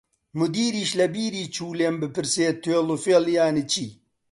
مودیریش لە بیری چوو لێم بپرسێ توێڵ و فێڵ یانی چی؟